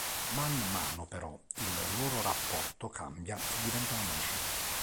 Man mano però, il loro rapporto cambia e diventano amici.